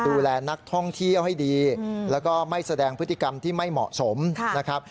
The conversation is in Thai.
ดูแลนักท่องเที่ยวให้ดีแล้วก็ไม่แสดงพฤติกรรมที่ไม่เหมาะสมนะครับ